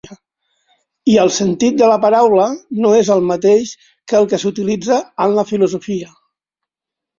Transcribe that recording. I el sentit de la paraula no és el mateix que el que s'utilitza en la filosofia.